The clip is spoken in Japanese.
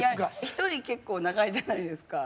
一人が長いじゃないですか。